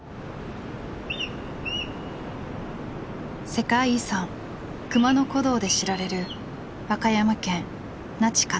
世界遺産熊野古道で知られる和歌山県那智勝浦町。